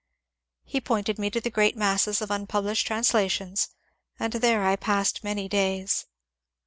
He pointed me to the great masses of unpublished translations, and there I passed many days.